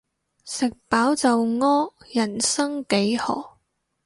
食飽就屙，人生幾何